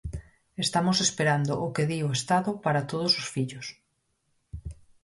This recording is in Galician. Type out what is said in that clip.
Estamos esperando o que di o Estado para todos os fillos.